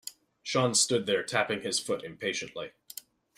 Sean stood there tapping his foot impatiently.